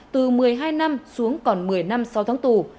từ một mươi hai năm xuống còn một mươi năm sau tháng tù